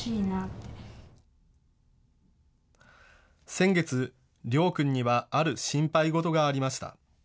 先月、りょう君にはある心配事がありました。